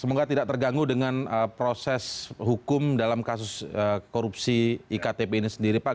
semoga tidak terganggu dengan proses hukum dalam kasus korupsi iktp ini sendiri pak